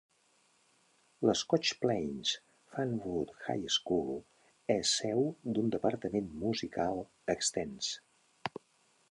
El "Scotch Plains-Fanwood High School" és seu d'un departament musical extens.